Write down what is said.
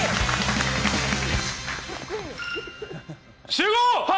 集合！